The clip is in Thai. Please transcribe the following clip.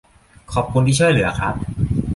ขอบคุณที่ช่วยเหลือครับ